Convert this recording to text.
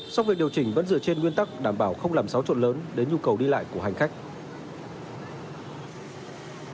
song việc điều chỉnh vẫn dựa trên nguyên tắc đảm bảo không làm xáo trộn lớn đến nhu cầu đi lại của hành khách